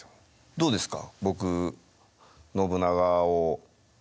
どうですか？